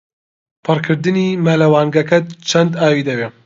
پڕکردنی مەلەوانگەکەت چەند ئاوی دەوێت؟